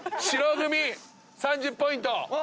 黒組４０ポイント。